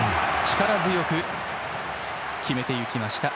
力強く決めていきました。